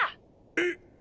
えっ！